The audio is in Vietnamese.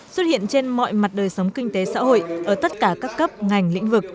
xuất hiện trên mọi mặt đời sống kinh tế xã hội ở tất cả các cấp ngành lĩnh vực